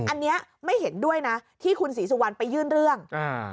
อันนี้ไม่เห็นด้วยนะที่คุณศรีสุวรรณไปยื่นเรื่องอ่า